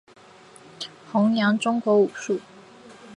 宏杨中国武术。